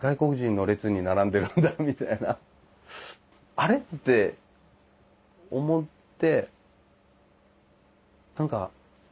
「あれ？」って思って。